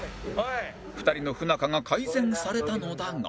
２人の不仲が改善されたのだが